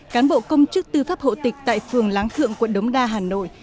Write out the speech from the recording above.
cán bộ công chức tư pháp hộ tịch tại phường láng thượng quận đống đa hà nội